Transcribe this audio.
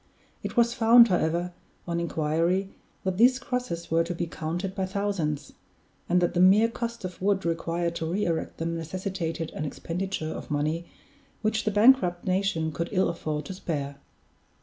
It was found, however, on inquiry, that these crosses were to be counted by thousands, and that the mere cost of wood required to re erect them necessitated an expenditure of money which the bankrupt nation could ill afford to spare.